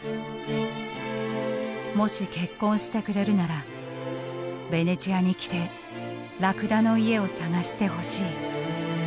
「もし結婚してくれるならベネチアに来てラクダの家を探してほしい」。